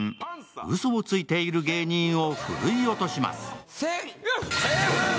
うそをついている芸人をふるい落とします。